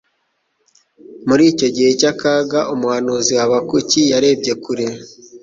Muri icyo gihe cy'akaga, umuhanuzi Habakuki yarebye kure,